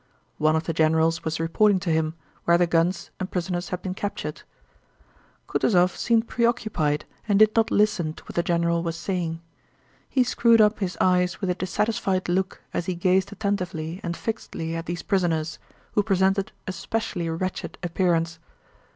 One of the generals was reporting to him where the guns and prisoners had been captured. Kutúzov seemed preoccupied and did not listen to what the general was saying. He screwed up his eyes with a dissatisfied look as he gazed attentively and fixedly at these prisoners, who presented a specially wretched appearance.